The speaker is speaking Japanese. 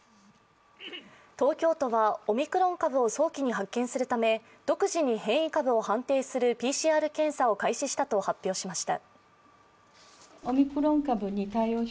東京都はオミクロン株を早期に発見するため、独自に変異株を判定するＰＣＲ検査を開始したと発表しました。